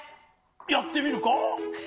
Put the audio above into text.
やってみるか？